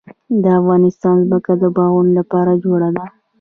د افغانستان ځمکه د باغونو لپاره جوړه ده.